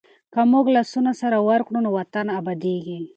که موږ لاسونه سره ورکړو نو وطن ابادېږي.